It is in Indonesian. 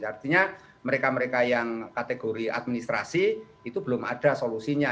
artinya mereka mereka yang kategori administrasi itu belum ada solusinya